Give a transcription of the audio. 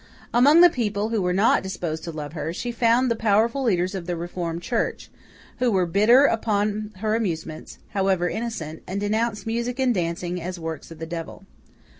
Among the people who were not disposed to love her, she found the powerful leaders of the Reformed Church, who were bitter upon her amusements, however innocent, and denounced music and dancing as works of the devil.